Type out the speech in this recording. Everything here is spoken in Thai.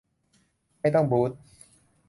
ไม่ต้องบู๊ท